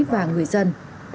và người dân